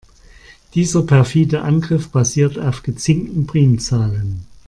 Dieser perfide Angriff basiert auf gezinkten Primzahlen.